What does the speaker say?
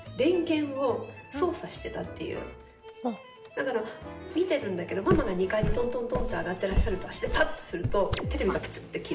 だから見てるんだけどママが２階にトントントンって上がってらっしゃると足で「タッ！」ってするとテレビがプツッて切れるっていうのとか。